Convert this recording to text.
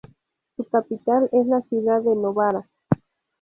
Su capital es la ciudad de Novara.